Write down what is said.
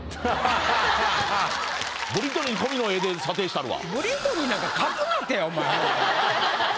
ブリトニー込みの絵で査定したるわ。